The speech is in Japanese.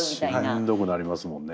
しんどくなりますもんね。